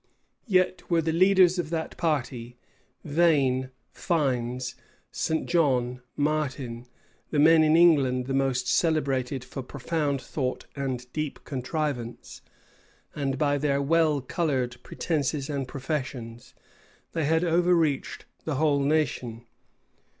Yet were the leaders of that party, Vane, Fiennes, St. John, Martin, the men in England the most celebrated for profound thought and deep contrivance; and by their well colored pretences and professions, they had overreached the whole nation.